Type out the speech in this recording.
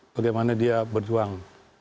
bagaimana dia berjuang